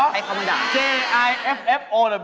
บอกอีจีตัวเองด้วยครับ